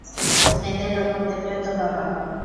মেয়েদের রকম দেখলে তো বাবা!